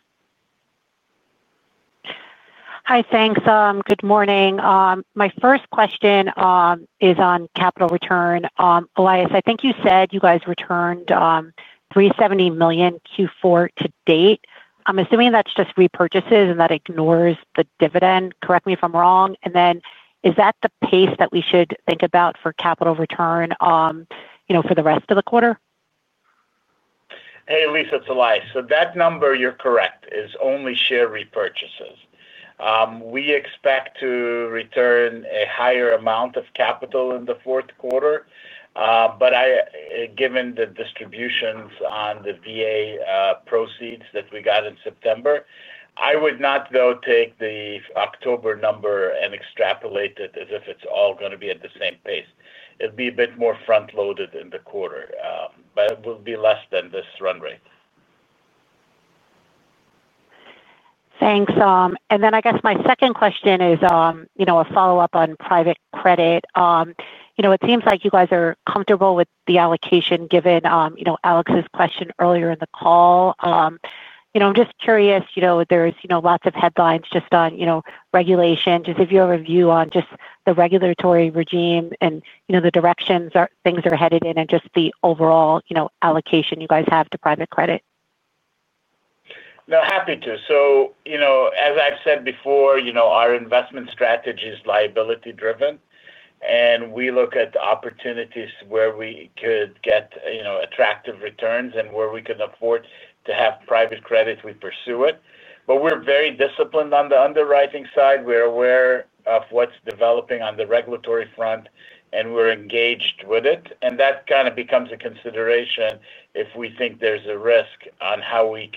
Hi, thanks. Good morning. My first question is on capital return. I think you said you guys returned $370 million Q4 to date. I'm assuming that's just repurchases and that ignores the dividend. Correct me if I'm wrong. And then is that the pace that we should think about for capital return for the rest of the quarter? Hey, Elyse, it's Elias. So that number, you're correct, is only share repurchases. We expect to return a higher amount of capital in the fourth quarter. But given the distributions on the VA proceeds that we got in September, I would not though take the October number and extrapolate it as if it's all going to be at the same pace. It'd be a bit more front-loaded in the quarter. But it will be less than this run rate. Thanks. And then I guess my second question is a follow-up on private credit. It seems like you guys are comfortable with the allocation given Alex's question earlier in the call. I'm just curious. There's lots of headlines just on regulation. Just if you have a view on just the regulatory regime and the directions things are headed in and just the overall allocation you guys have to private credit. No, happy to. So as I've said before, our investment strategy is liability-driven. And we look at opportunities where we could get attractive returns and where we can afford to have private credit, we pursue it. But we're very disciplined on the underwriting side. We're aware of what's developing on the regulatory front, and we're engaged with it. And that kind of becomes a consideration if we think there's a risk on how we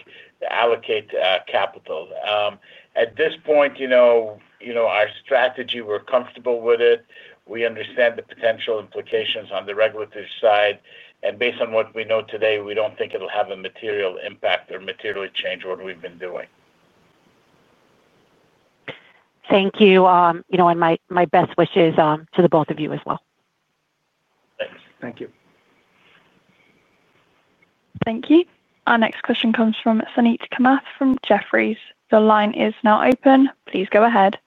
allocate capital. At this point. Our strategy, we're comfortable with it. We understand the potential implications on the regulatory side. And based on what we know today, we don't think it'll have a material impact or materially change what we've been doing. Thank you. And my best wishes to the both of you as well. Thank you. Thank you. Our next question comes from Suneet Kamath from Jefferies. The line is now open. Please go ahead.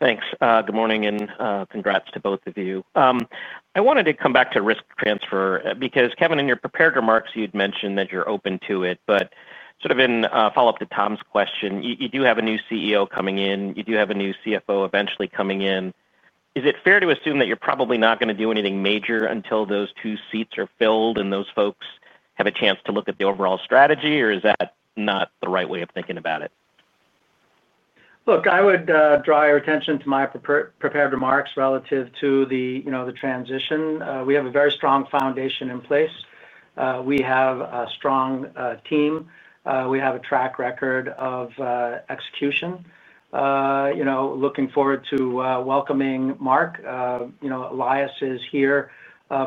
Thanks. Good morning and congrats to both of you. I wanted to come back to risk transfer because, Kevin, in your prepared remarks, you'd mentioned that you're open to it. But sort of in follow-up to Tom's question, you do have a new CEO coming in. You do have a new CFO eventually coming in. Is it fair to assume that you're probably not going to do anything major until those two seats are filled and those folks have a chance to look at the overall strategy, or is that not the right way of thinking about it? Look, I would draw your attention to my prepared remarks relative to the transition. We have a very strong foundation in place. We have a strong team. We have a track record of execution. Looking forward to welcoming Marc. Elias is here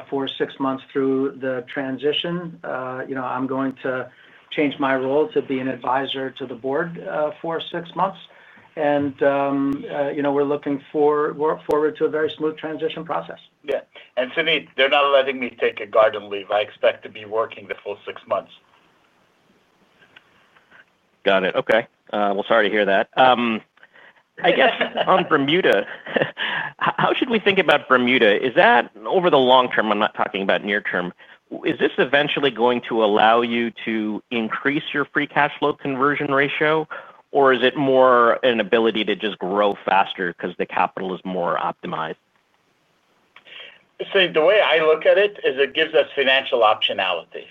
for six months through the transition. I'm going to change my role to be an advisor to the board for six months. And we're looking forward to a very smooth transition process. Yeah. And Suneet, they're not letting me take a garden leave. I expect to be working the full six months. Got it. Okay. Well, sorry to hear that. I guess on Bermuda. How should we think about Bermuda? Over the long term, I'm not talking about near term. Is this eventually going to allow you to increase your free cash flow conversion ratio, or is it more an ability to just grow faster because the capital is more optimized? See, the way I look at it is it gives us financial optionality.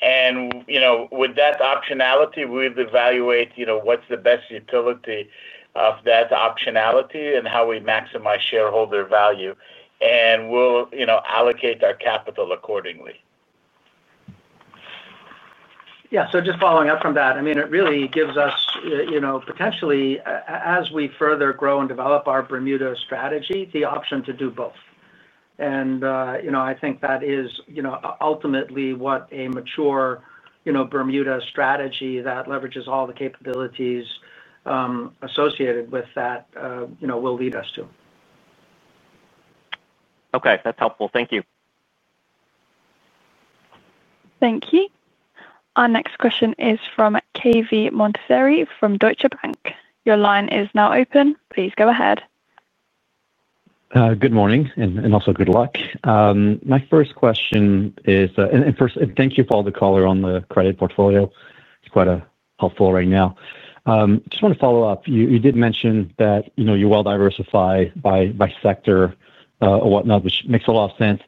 And with that optionality, we've evaluated what's the best utility of that optionality and how we maximize shareholder value. And we'll allocate our capital accordingly. Yeah. So just following up from that, I mean, it really gives us potentially, as we further grow and develop our Bermuda strategy, the option to do both. And I think that is ultimately what a mature Bermuda strategy that leverages all the capabilities associated with that will lead us to. Okay. That's helpful. Thank you. Thank you. Our next question is from Cave Montazeri from Deutsche Bank. Your line is now open. Please go ahead. Good morning and also good luck. My first question is, and first, thank you for all the color on the credit portfolio. It's quite helpful right now. Just want to follow up. You did mention that you're well diversified by sector or whatnot, which makes a lot of sense.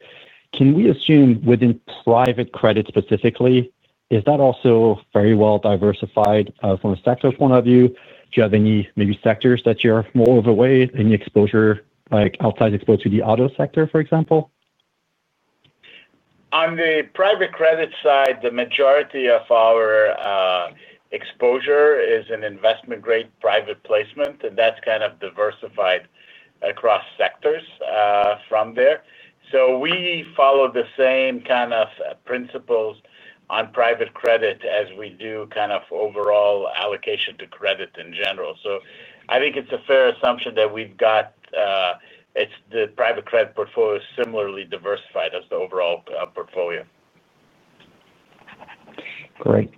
Can we assume within private credit specifically, is that also very well diversified from a sector point of view? Do you have any maybe sectors that you're more overweight, any exposure exposed to the auto sector, for example? On the private credit side, the majority of our exposure is in investment-grade private placement. And that's kind of diversified across sectors from there. So we follow the same kind of principles on private credit as we do kind of overall allocation to credit in general. So I think it's a fair assumption that we've got the private credit portfolio is similarly diversified as the overall portfolio. Great.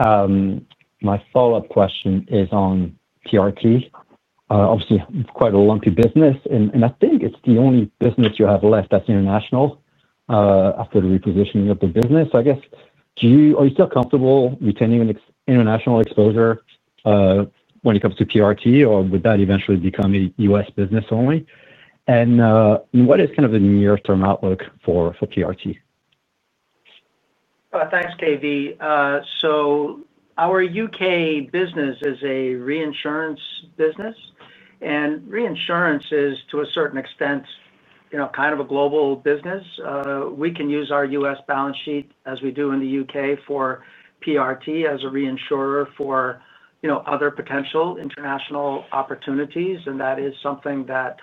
My follow-up question is on PRT. Obviously, quite a lumpy business. And I think it's the only business you have left that's international after the repositioning of the business. So I guess, are you still comfortable retaining international exposure when it comes to PRT, or would that eventually become a U.S. business only? And what is kind of the near-term outlook for PRT? Thanks, KV. So our U.K. business is a reinsurance business. And reinsurance is, to a certain extent, kind of a global business. We can use our U.S. balance sheet, as we do in the U.K., for PRT as a reinsurer for other potential international opportunities. And that is something that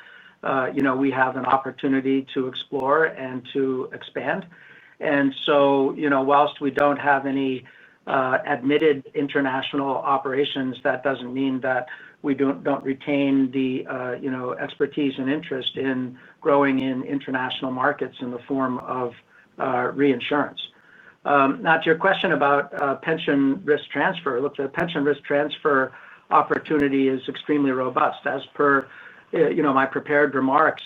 we have an opportunity to explore and to expand. And so while we don't have any admitted international operations, that doesn't mean that we don't retain the expertise and interest in growing in international markets in the form of reinsurance. Now, to your question about pension risk transfer, look, the pension risk transfer opportunity is extremely robust. As per my prepared remarks,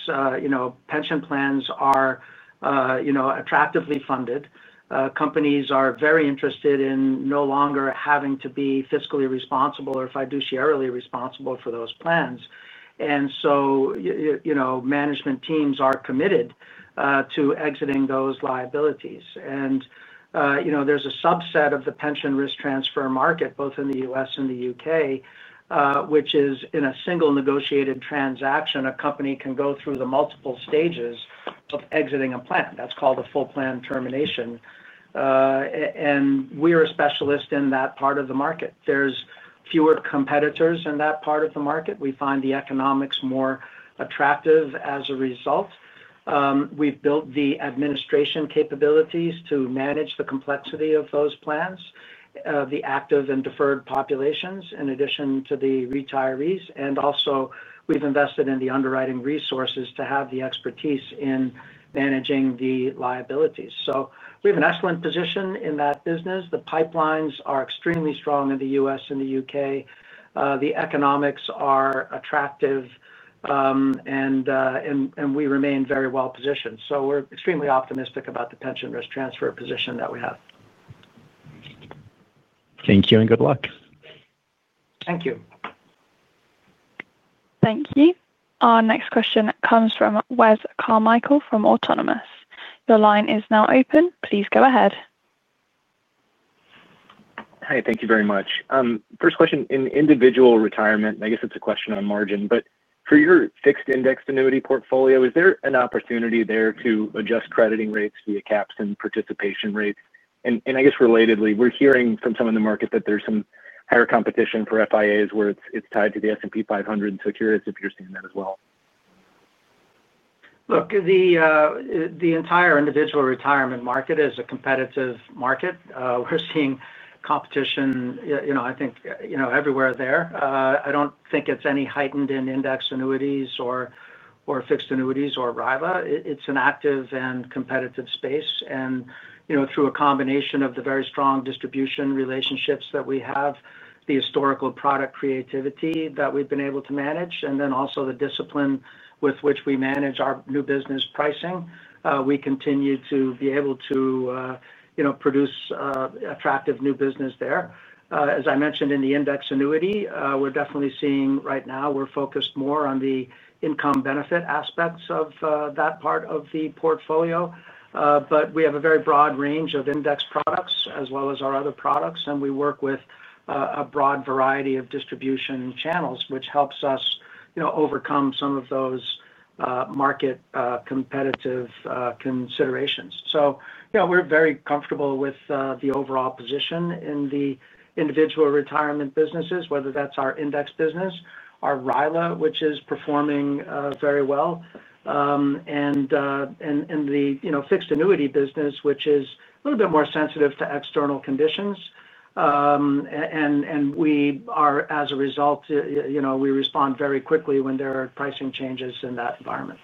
pension plans are attractively funded. Companies are very interested in no longer having to be fiscally responsible or fiduciarily responsible for those plans. And so management teams are committed to exiting those liabilities. And there's a subset of the pension risk transfer market, both in the U.S. and the U.K., which is in a single negotiated transaction, a company can go through the multiple stages of exiting a plan. That's called a full plan termination. And we are a specialist in that part of the market. There's fewer competitors in that part of the market. We find the economics more attractive as a result. We've built the administration capabilities to manage the complexity of those plans, the active and deferred populations, in addition to the retirees. And also, we've invested in the underwriting resources to have the expertise in managing the liabilities. So we have an excellent position in that business. The pipelines are extremely strong in the U.S. and the U.K. The economics are attractive. And we remain very well positioned. So we're extremely optimistic about the pension risk transfer position that we have. Thank you and good luck. Thank you. Thank you. Our next question comes from Wes Carmichael from Autonomous. Your line is now open. Please go ahead. Hi. Thank you very much. First question, in individual retirement, I guess it's a question on margin, but for your fixed index annuity portfolio, is there an opportunity there to adjust crediting rates via caps and participation rates? And I guess relatedly, we're hearing from some of the market that there's some higher competition for FIAs where it's tied to the S&P 500. So curious if you're seeing that as well. Look, the entire individual retirement market is a competitive market. We're seeing competition, I think, everywhere there. I don't think it's any heightened in index annuities or fixed annuities or RILA. It's an active and competitive space. And through a combination of the very strong distribution relationships that we have, the historical product creativity that we've been able to manage, and then also the discipline with which we manage our new business pricing, we continue to be able to produce attractive new business there. As I mentioned in the index annuity, we're definitely seeing right now we're focused more on the income benefit aspects of that part of the portfolio. But we have a very broad range of index products as well as our other products. And we work with a broad variety of distribution channels, which helps us overcome some of those market competitive considerations. So we're very comfortable with the overall position in the individual retirement businesses, whether that's our index business, our RILA, which is performing very well. And the fixed annuity business, which is a little bit more sensitive to external conditions. And we, as a result, respond very quickly when there are pricing changes in that environment.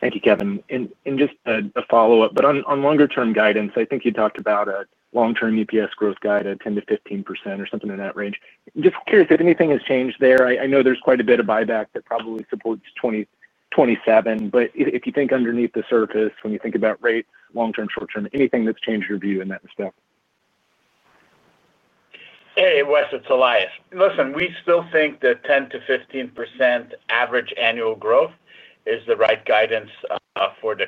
Thank you, Kevin. And just a follow-up. But on longer-term guidance, I think you talked about a long-term EPS growth guide at 10%-15% or something in that range. Just curious if anything has changed there. I know there's quite a bit of buyback that probably supports 2027. But if you think underneath the surface, when you think about rate, long-term, short-term, anything that's changed your view in that respect? Hey, Wes, it's Elias. Listen, we still think that 10%-15% average annual growth is the right guidance for the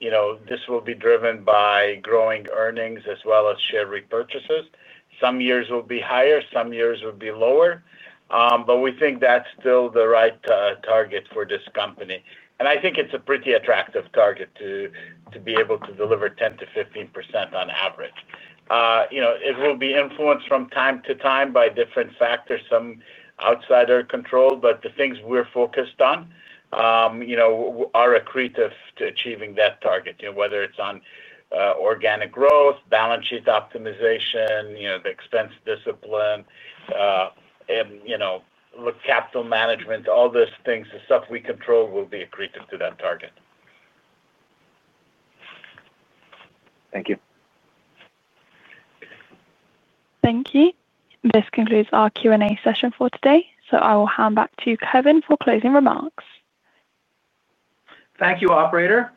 company. This will be driven by growing earnings as well as share repurchases. Some years will be higher. Some years will be lower. But we think that's still the right target for this company. And I think it's a pretty attractive target to be able to deliver 10%-15% on average. It will be influenced from time to time by different factors, some outside our control. But the things we're focused on are accretive to achieving that target, whether it's organic growth, balance sheet optimization, the expense discipline. Look, capital management, all those things, the stuff we control will be accretive to that target. Thank you. Thank you. This concludes our Q&A session for today. So I will hand back to Kevin for closing remarks. Thank you, operator.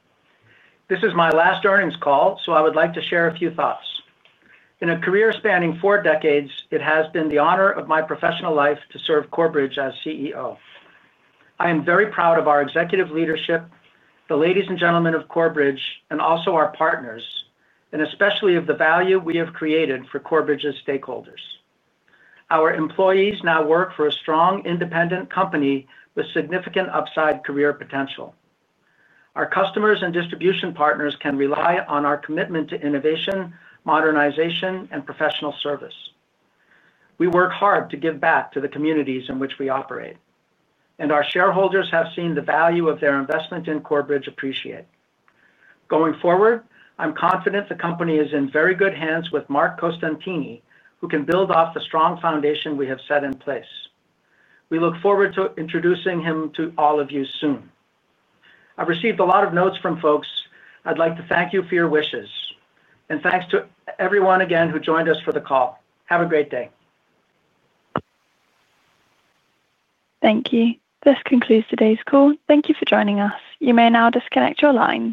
This is my last earnings call, so I would like to share a few thoughts. In a career spanning four decades, it has been the honor of my professional life to serve Corebridge as CEO. I am very proud of our executive leadership, the ladies and gentlemen of Corebridge, and also our partners, and especially of the value we have created for Corebridge's stakeholders. Our employees now work for a strong, independent company with significant upside career potential. Our customers and distribution partners can rely on our commitment to innovation, modernization, and professional service. We work hard to give back to the communities in which we operate. And our shareholders have seen the value of their investment in Corebridge appreciate. Going forward, I'm confident the company is in very good hands with Marc Costantini, who can build off the strong foundation we have set in place. We look forward to introducing him to all of you soon. I've received a lot of notes from folks. I'd like to thank you for your wishes. And thanks to everyone again who joined us for the call. Have a great day. Thank you. This concludes today's call. Thank you for joining us. You may now disconnect your lines.